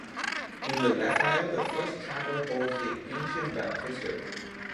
In the left aisle, the first chapel holds the ancient baptistery.